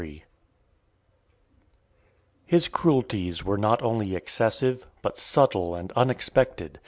His cruelties were not only excessive, but subtle and unexpected.